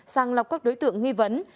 sàng lọc các đối tượng nghi vấn